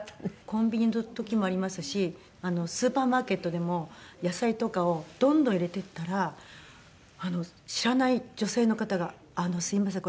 コンビニの時もありますしスーパーマーケットでも野菜とかをどんどん入れていったら知らない女性の方が「あのすみません」。